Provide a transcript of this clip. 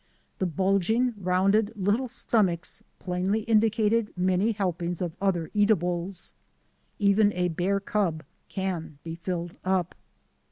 The bulging, rounded little stomachs plainly indicated many helpings of other eatables. Even a bear cub can be filled up.